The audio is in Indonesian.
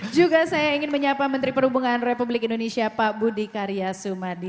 juga saya ingin menyapa menteri perhubungan republik indonesia pak budi karya sumadi